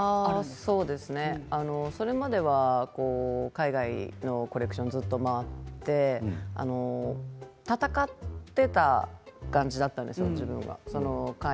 そうですね、それまでは海外のコレクションをずっと回って闘っていた感じだったんですよ